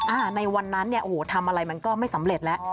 ในวันนั้นเนี่ยโอ้โหทำอะไรมันก็ไม่สำเร็จแล้ว